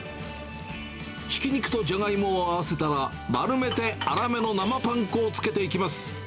ひき肉とじゃがいもを合わせたら、丸めて粗めの生パン粉をつけていきます。